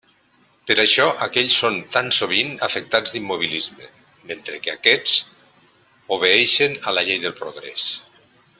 Per això aquells són tan sovint afectats d'immobilisme, mentre que aquests obeeixen a la llei del progrés.